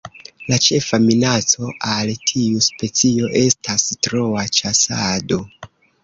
La ĉefa minaco al tiu specio estas troa ĉasado.